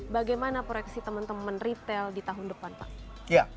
bagaimana proyeksi teman teman retail di tahun depan pak